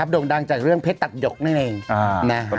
ดูดังใจเรื่องเพชรตัดหยกนั่นเองนะครับ